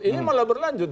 ini malah berlanjut